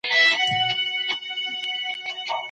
هیوادونه د فکرونو له مخې جلا دي.